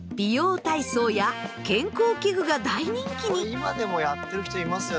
これ今でもやってる人いますよ